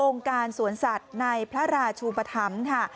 องค์การสวนสัตว์หน่อยพระราชุพธรรมท่่ะ